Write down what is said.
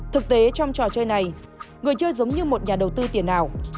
thực tế trong trò chơi này người chơi giống như một nhà đầu tư tiền ảo